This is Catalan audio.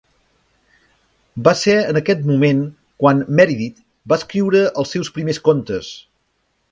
Va ser en aquest moment quan Meredith va escriure els seus primers contes.